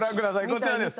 こちらです。